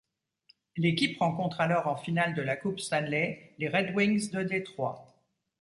L’équipe rencontre alors en finale de la Coupe Stanley les Red Wings de Détroit.